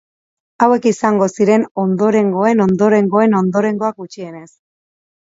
Hauek izango ziren ondorengoen ondorengoen ondorengoak, gutxienez.